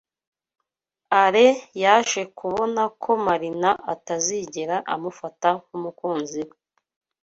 Alain yaje kubona ko Marina atazigera amufata nk'umukunzi we.